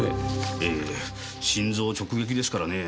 ええ心臓直撃ですからねぇ。